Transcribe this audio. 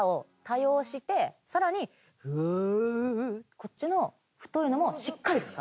こっちの太いのもしっかり使う。